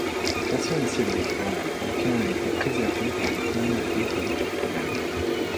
Cette façon ancienne d'écrire l'algonquin a été préservée par des communautés comme Pikogan.